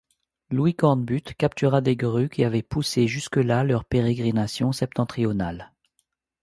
Louis Cornbutte captura des grues qui avaient poussé jusque là leurs pérégrinations septentrionales.